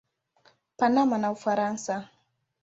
Panama na Ufaransa.